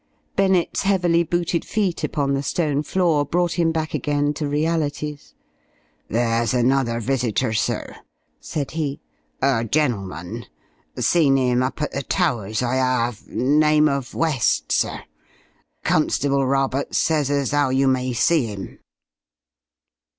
Bennett's heavily booted feet upon the stone floor brought him back again to realities. "There's another visitor, sir," said he. "A gentleman. Seen 'im up at the Towers, I 'ave. Name of West, sir. Constable Roberts says as 'ow you may see him."